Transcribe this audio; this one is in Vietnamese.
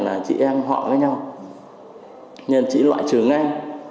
là chị em họ với nhau nên chị loại trừ ngay